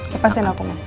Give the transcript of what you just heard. lepasin aku mas